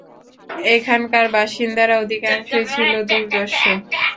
এখানকার বাসিন্দারা অধিকাংশই ছিল দুর্ধর্ষ।